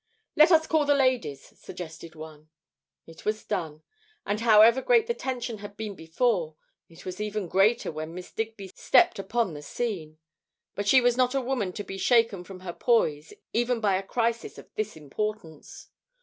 "Let us call the ladies," suggested one. It was done, and however great the tension had been before, it was even greater when Miss Digby stepped upon the scene. But she was not a woman to be shaken from her poise even by a crisis of this importance.